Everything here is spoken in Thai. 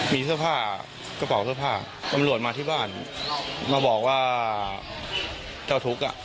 มีเสื้อผ้ากระเป๋าเสื้อผ้าตำรวจมาที่บ้านมาบอกว่าเจ้าทุกข์อ่ะ